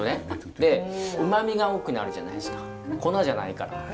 でうまみが多くなるじゃないですか粉じゃないから。